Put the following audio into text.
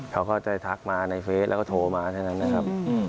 เขาก็จะทักมาในเฟสแล้วก็โทรมาเท่านั้นนะครับ